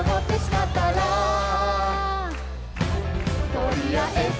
「とりあえず」